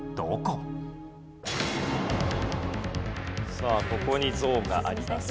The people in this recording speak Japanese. さあここに像があります。